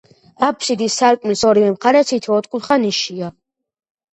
აფსიდის სარკმლის ორივე მხარეს თითო ოთხკუთხა ნიშია.